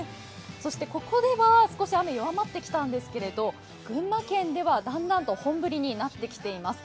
ここでは少し雨弱まってきたんですけれども群馬県ではだんだんと本降りになってきています。